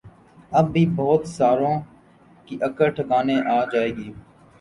اب بھی بہت ساروں کی عقل ٹھکانے آجائے گی